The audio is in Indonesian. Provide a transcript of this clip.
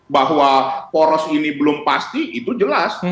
bahwa poros ini belum pasti itu jelas